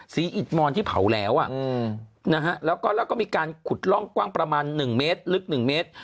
อิดมอนที่เผาแล้วแล้วก็มีการขุดร่องกว้างประมาณ๑เมตรลึก๑เมตร